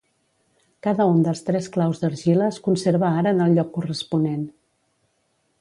Cada un dels tres claus d'argila es conserva ara en el lloc corresponent.